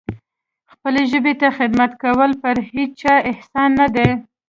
خپلې ژبې ته خدمت کول پر هیچا احسان نه دی.